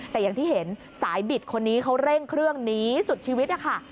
แต่อย่างที่เห็นสายบิดคนนี้เขาเร่งเครื่องหนีสุดชีวิตนะคะ